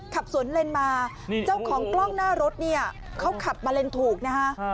ขับสวนเลนมาเจ้าของกล้องหน้ารถเนี่ยเขาขับมาเลนถูกนะฮะ